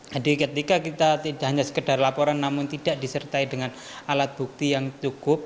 jadi ketika kita tidak hanya sekedar laporan namun tidak disertai dengan alat bukti yang cukup